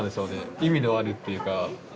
意味のあるっていうか。